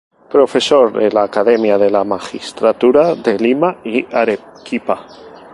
Profesor de la Academia de la Magistratura de Lima y Arequipa.